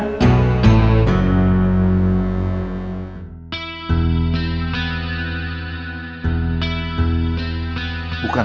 bapak beneran preman